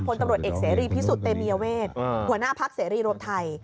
พลตำรวจเอกเสรีพิสุทธิเตมียเวทหัวหน้าพักเสรีรวมไทย